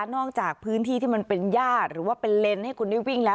จากพื้นที่ที่มันเป็นญาติหรือว่าเป็นเลนส์ให้คุณได้วิ่งแล้ว